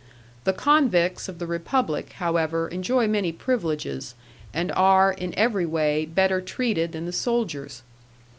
The convicts of the Republic, however, enjoy many privileges, and are, in every way, better treated than the soldiers.